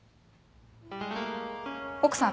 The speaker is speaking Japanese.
奥さん